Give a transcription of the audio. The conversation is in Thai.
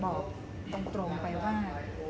ขออนุญาตบอกตรงไปว่า